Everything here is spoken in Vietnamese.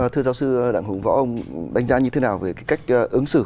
thưa giáo sư đặng hùng võ ông đánh giá như thế nào về cách ứng xử